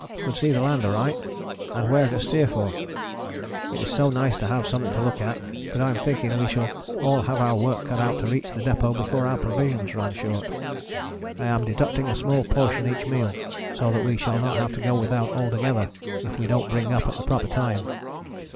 Could see the land alright and where to steer for. It is so nice to have something to look at, but I am thinking we shall all have our work cut out to reach the depôt before our provisions run short. I am deducting a small portion each meal so that we shall not have to go without altogether if we don't bring up at the proper time.